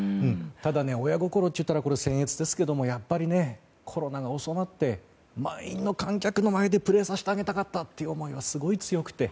ただ、親心と言ったら僭越ですがやっぱりコロナが収まって満員の観客の前でプレーさせてあげたかったという思いはすごい強くて。